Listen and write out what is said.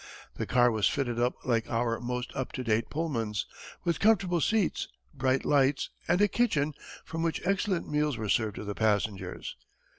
The car was fitted up like our most up to date Pullmans, with comfortable seats, bright lights, and a kitchen from which excellent meals were served to the passengers.